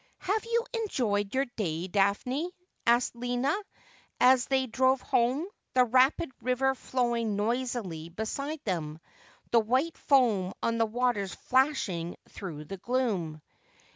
' Have you enjoyed your day. Daphne ?' asked Lina, as they drove home, the rapid river flowing noisily beside them, the white foam on the waters flashing through the gloom.